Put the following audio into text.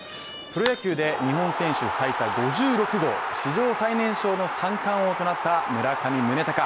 プロ野球で日本選手最多５６号史上最年少の三冠王となった村上宗隆。